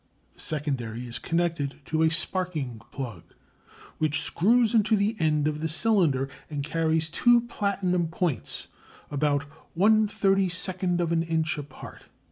The secondary is connected to a "sparking plug," which screws into the end of the cylinder, and carries two platinum points about 1/32 of an inch apart.